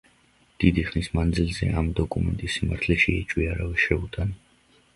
დიდი ხნის მანძილზე ამ დოკუმენტის სიმართლეში ეჭვი არავის შეუტანია.